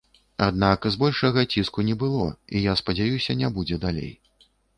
Аднак, збольшага, ціску не было і я спадзяюся, не будзе далей.